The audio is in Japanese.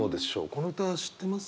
この歌知ってます？